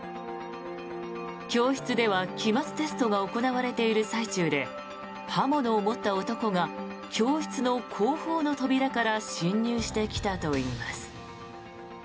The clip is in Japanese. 教室では期末テストが行われている最中で刃物を持った男が教室の後方の扉から侵入してきたといいます。